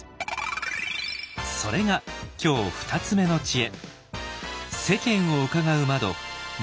それが今日２つ目の知恵。